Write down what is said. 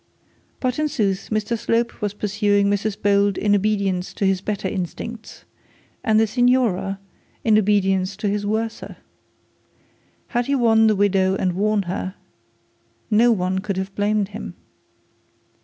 But in sooth Mr Slope was pursuing Mrs Bold in obedience to his better instincts, and the signora in obedience to his worse. Had he won the widow and worn her, no one could have blamed him.